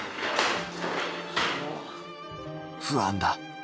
不安だ。